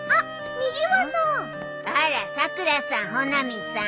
あらさくらさん穂波さん。